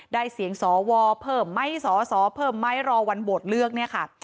ได้เสียงสอวแขวงเวลาเพิ่มไม่สอพรอวันโหวดเลือก